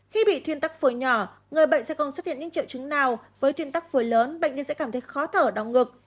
khi bị thuyên tắc phổi nhỏ người bệnh sẽ còn xuất hiện những triệu chứng nào với thuyên tắc phổi lớn bệnh nhân sẽ cảm thấy khó thở đau ngực